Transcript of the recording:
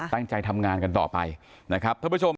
ตั้งใจทำงานกันต่อไปนะครับ